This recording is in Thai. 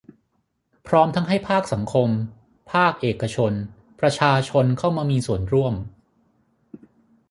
พร้อมทั้งให้ภาคสังคม ภาคเอกชน ประชาชนเข้ามามีส่วนร่วม